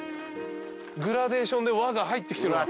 グラデーションで和が入ってきてるわ。